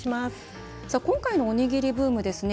今回のおにぎりブームですね